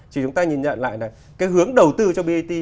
chỉ chúng ta nhìn nhận lại là cái hướng đầu tư cho brt